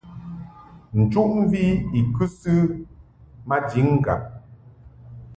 Nchuʼmvi i kɨsɨ maji ŋgab.